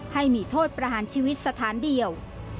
ให้มีโทษประหารชีวิตสถานเดียว